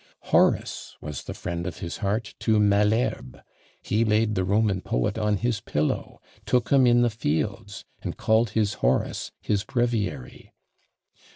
Horace was the friend of his heart to Malherbe; he laid the Roman poet on his pillow, took him in the fields, and called his Horace his breviary.